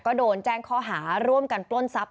ก็โดนแจ้งข้อหาร่วมกันปล้นทรัพย